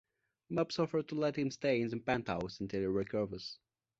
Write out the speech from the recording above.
Mopes offers to let him stay in the penthouse until he recovers.